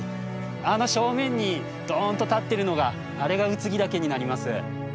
あの正面にドンと立ってるのがあれが空木岳になります。